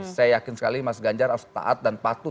saya yakin sekali mas ganjar harus taat dan patuh